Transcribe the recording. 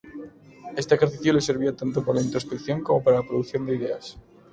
Este ejercicio le servía tanto para la introspección como para la producción de ideas.